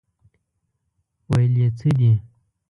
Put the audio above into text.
ویل یې څه دي.